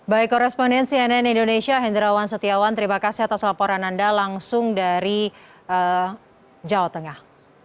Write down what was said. baik koresponden cnn indonesia hendrawan setiawan terima kasih atas laporan anda langsung dari jawa tengah